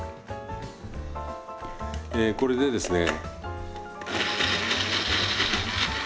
えこれでですね。